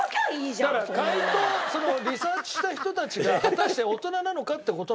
だから回答そのリサーチした人たちが果たして大人なのか？って事なんですよ。